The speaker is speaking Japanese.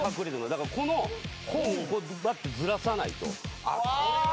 だからこの本をずらさないと。